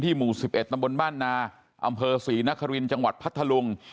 ซึ่งที่หมู่๑๑ตำบลแบ่นลาอำเภอศรีนควินจังหวัดพัทธลุง